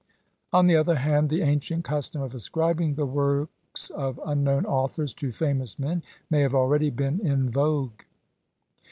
On the other hand, the ancient custom of ascribing the works of unknown authors to famous men may have already been in vogue.